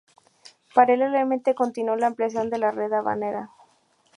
Paralelamente continuó la ampliación de la red habanera.